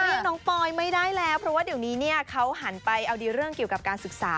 เรียกน้องปอยไม่ได้แล้วเพราะว่าเดี๋ยวนี้เนี่ยเขาหันไปเอาดีเรื่องเกี่ยวกับการศึกษา